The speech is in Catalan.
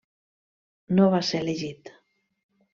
No va ser elegit.